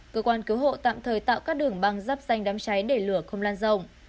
cơ quan cứu hộ tạm thời tạo các đường băng dắp danh đám cháy để lửa không lan rộng